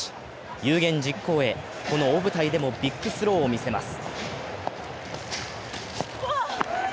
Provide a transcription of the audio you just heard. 有言実行へ、この大舞台でもビッグスローを見せます。